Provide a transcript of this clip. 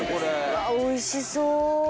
うわおいしそう。